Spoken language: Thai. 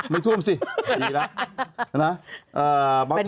ไม่ทุ่มสิดีแล้วนะ